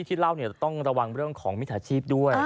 ที่เล่าเนี่ยต้องระวังเรื่องของมิจฉาชีพด้วย